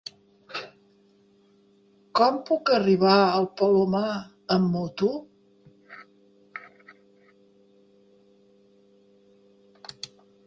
Com puc arribar al Palomar amb moto?